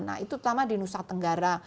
nah itu terutama di nusa tenggara